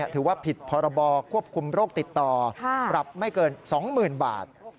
ถือว่าผิดพรบควบคุมโรคติดต่อปรับไม่เกิน๒๐๐๐บาท